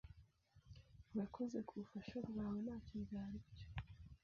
"Urakoze kubufasha bwawe." "Ntacyo byari cyo."